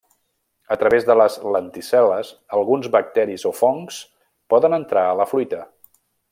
A través de les lenticel·les, alguns bacteris o fongs poden entrar a la fruita.